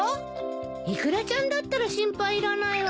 イクラちゃんだったら心配いらないわ。